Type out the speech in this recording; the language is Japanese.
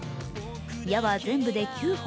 矢は全部で９本。